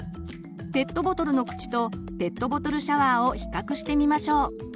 ペットボトルの口とペットボトルシャワーを比較してみましょう。